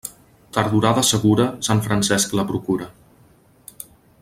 Tardorada segura, Sant Francesc la procura.